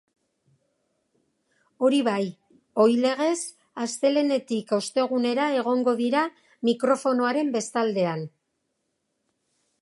Hori bai, ohi legez, astelehenetik ostegunera egongo dira mikrofonoaren bestaldean.